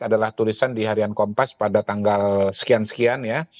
adalah tulisan di harian kompas pada tanggal sekian sekian ya